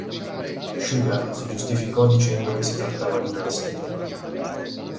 Sugar si giustificò dicendo che si trattava di un anestetico.